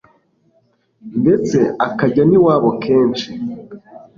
ndetse akajya n'iwabo kenshi,